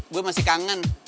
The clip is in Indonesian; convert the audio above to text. gue masih kangen